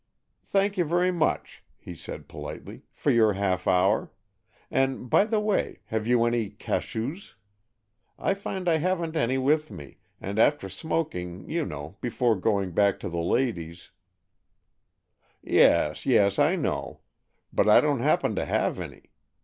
"Thank you very much," he said politely, "for your half hour. And, by the way, have you any cachous? I find I haven't any with me, and after smoking, you know, before going back to the ladies——" "Yes, yes, I know; but I don't happen to have any.